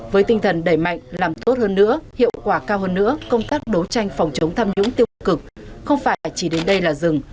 với tinh thần đẩy mạnh làm tốt hơn nữa hiệu quả cao hơn nữa công tác đấu tranh phòng chống tham nhũng tiêu cực không phải chỉ đến đây là dừng